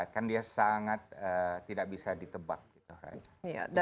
kan dia sangat tidak bisa ditebak gitu kan